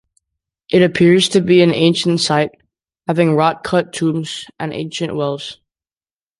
It appears to be an ancient site, having rock-cut tombs and ancient wells.